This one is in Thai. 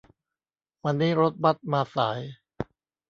วันนี้รถบัสมาสาย